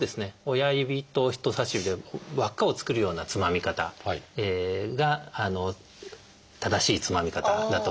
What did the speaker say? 親指と人さし指で輪っかを作るようなつまみ方が正しいつまみ方だと思います。